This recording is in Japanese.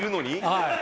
はい。